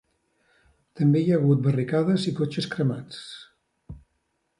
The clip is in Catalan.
També hi ha hagut barricades i cotxes cremats.